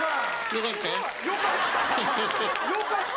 よかった。